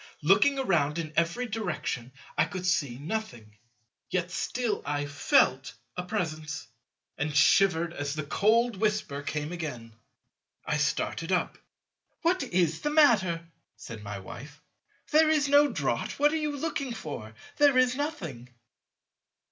Looking around in every direction I could see nothing; yet still I felt a Presence, and shivered as the cold whisper came again. I started up. "What is the matter?" said my Wife, "there is no draught; what are you looking for? There is nothing."